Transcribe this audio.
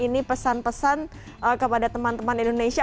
ini pesan pesan kepada teman teman indonesia